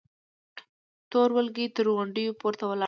تور لوګي تر غونډيو پورته ولاړ ول.